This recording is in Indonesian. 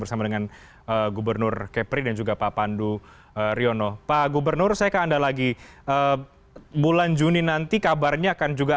terima kasih pak